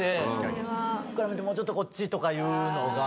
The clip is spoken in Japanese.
ここから見て、もうちょっとこっちとかっていうのが。